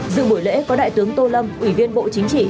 dự buổi lễ có đại tướng tô lâm ủy viên bộ chính trị